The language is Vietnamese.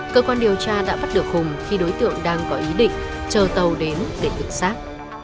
cơ quan điều tra đã bắt được hùng khi đối tượng đang có ý định chờ tàu đến để tự xác